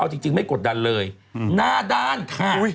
เอาจริงไม่กดดันเลยหน้าด้านค่ะ